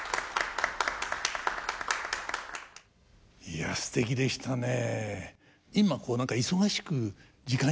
いやすてきでしたね。